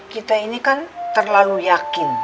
kita ini kan terlalu yakin